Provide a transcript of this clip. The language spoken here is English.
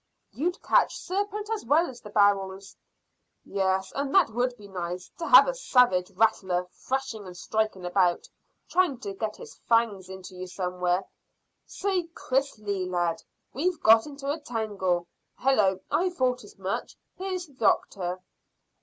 "You'd catch serpent as well as the barrels." "Yes, and that would be nice, to have a savage rattler thrashing and striking about, trying to get his fangs into you somewhere. Say, Chris Lee, lad, we've got in a tangle. Hallo! I thought as much; here's the doctor."